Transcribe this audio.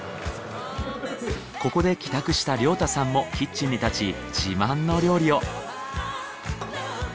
ここで帰宅した亮太さんもキッチンに立ち自慢の料理を。